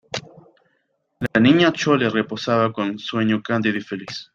la niña Chole reposaba con sueño cándido y feliz: